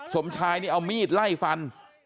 สมชายนี่เอามีดไล่ฟัน